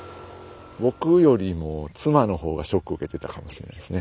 僕よりも妻の方がショックを受けてたかもしれないですね。